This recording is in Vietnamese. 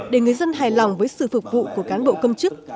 để người dân hài lòng với sự phục vụ của cán bộ công chức